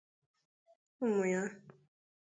ụmụ ya